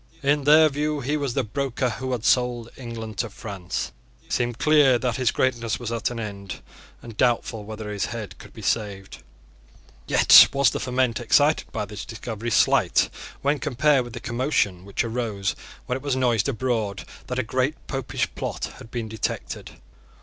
In their view he was the broker who had sold England to France. It seemed clear that his greatness was at an end, and doubtful whether his head could be saved. Yet was the ferment excited by this discovery slight, when compared with the commotion which arose when it was noised abroad that a great Popish plot had been detected.